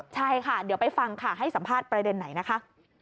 ใช่ค่ะเดี๋ยวไปฟังค่ะให้สัมภาษณ์ประเด็นไหนนะคะ